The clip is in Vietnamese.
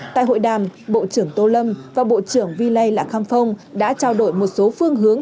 tại hội đàm bộ trưởng tô lâm và bộ trưởng vi lây lạc khăm phong đã trao đổi một số phương hướng